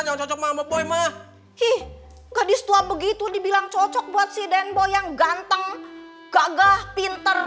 nyocok mama boy ma ih gadis tua begitu dibilang cocok buat si den boy yang ganteng gagah pinter